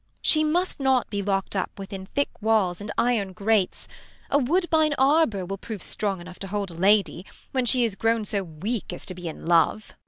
She must not be lockt up within thick walls And iron grates : a wood1)ine arbour will Prove strong enough to hold a lady, when She is grown so weak as to be in love.